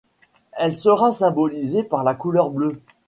Elle sera symbolisée par la couleur bleu.